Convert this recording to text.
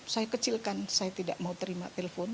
saya kecilkan saya tidak mau terima telepon